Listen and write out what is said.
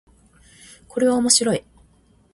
これは面白い